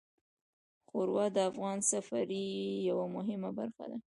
ښوروا د افغان سفرې یوه مهمه برخه ده.